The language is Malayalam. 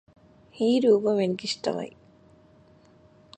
ഈ രൂപം എനിക്കിഷ്ടമായി